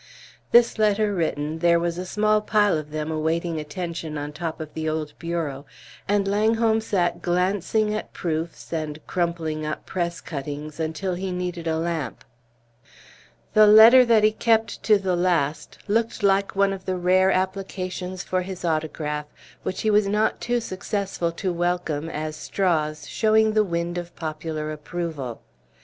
This letter written, there was a small pile of them awaiting attention on top of the old bureau; and Langholm sat glancing at proofs and crumpling up press cuttings until he needed a lamp. The letter that he kept to the last looked like one of the rare applications for his autograph which he was not too successful to welcome as straws showing the wind of popular approval.